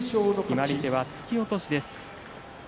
決まり手は突き落としです。